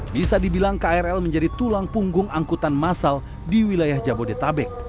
bisa dibilang krl menjadi tulang punggung angkutan masal di wilayah jabodetabek